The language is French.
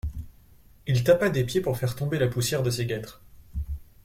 Il tapa des pieds pour faire tomber la poussière de ses guêtres.